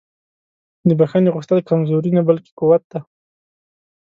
د بښنې غوښتل کمزوري نه بلکې قوت دی.